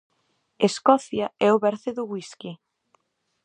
Escocia é o berce do whisky.